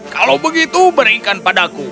kalau begitu berikan padaku